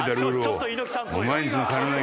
ちょっと猪木さんっぽいな。